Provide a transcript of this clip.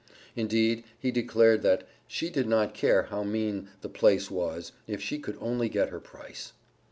Indeed he declared that "she did not care how mean the place was, if she could only get her price."